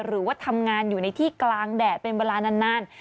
หรือว่าทำงานอยู่ในที่กลางแดดเป็นเวลานาน